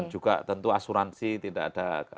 dan juga tentu asuransi tidak ada tidak kalah penting ini ya